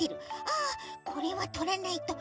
あこれはとらないと。